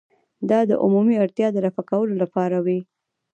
دا د عمومي اړتیا د رفع کولو لپاره وي.